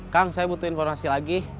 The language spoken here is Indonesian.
kang saya butuh informasi lagi